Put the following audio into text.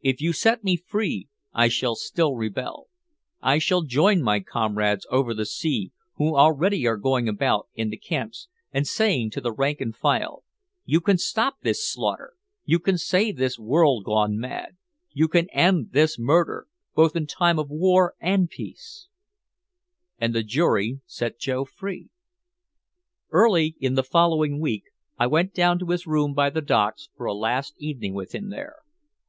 If you set me free I shall still rebel. I shall join my comrades over the sea who already are going about in the camps and saying to the rank and file 'You can stop this slaughter! You can save this world gone mad! You can end this murder both in time of war and peace!'" And the jury set Joe free. Early in the following week I went down to his room by the docks for a last evening with him there.